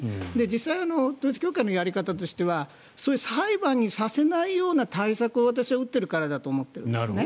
実際、統一教会のやり方としては裁判にさせないような対策を私は打っているからだと思うんですね。